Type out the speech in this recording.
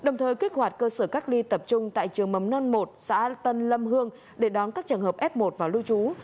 nhưng tại trường mầm non một xã tân lâm hương để đón các trường hợp f một vào lưu trú